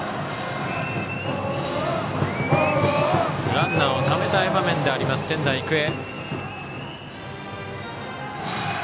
ランナーをためたい場面です、仙台育英。